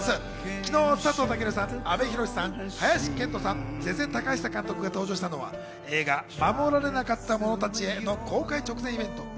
昨日、佐藤健さん、阿部寛さん、林遣都さん、瀬々敬久監督が登場したのは、映画『護られなかった者たちへ』の公開直前イベント。